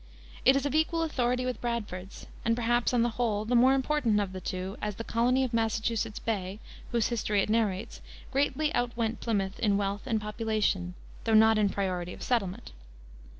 It is of equal authority with Bradford's, and perhaps, on the whole, the more important of the two, as the colony of Massachusetts Bay, whose history it narrates, greatly outwent Plymouth in wealth and population, though not in priority of settlement.